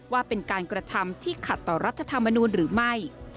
ว่าเป็นการกระทำที่ขัดต่อรัฐธรรมนูลหรือไม่